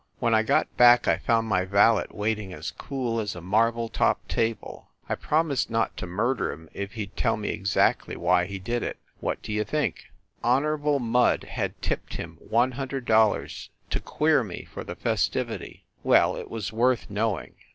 When I got back I found my valet waiting as cool as a marble top table. I promised not to murder him if he d tell me exactly why he did it. What d you think ! Honorable Mudde had tipped him one hundred dollars to queer me for the festivity. Well, it was worth knowing.